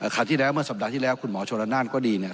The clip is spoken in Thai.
คราวที่แล้วเมื่อสัปดาห์ที่แล้วคุณหมอชนละนานก็ดีเนี่ย